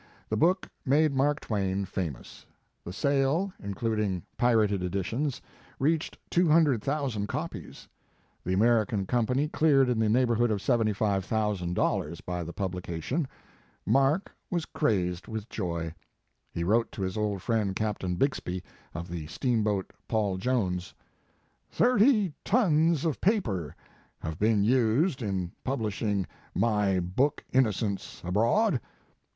The book made Mark Twain famous. The sale, including pirated editions, reached 200, ooo copies. The American Company cleared in the neighborhood of $75,000 by the publication. Mark was crazed with joy. He wrote to his old friend, Captain Bixby, of the steamboat Paul Jones: "Thirty tons of paper have been used in publishing my book Innocents Abroad.